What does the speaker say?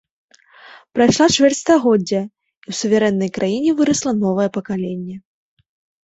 Прайшла чвэрць стагоддзя, і ў суверэннай краіне вырасла новае пакаленне.